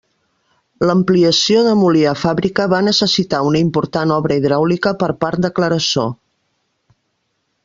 L'ampliació de molí a fàbrica va necessitar una important obra hidràulica per part de Clarassó.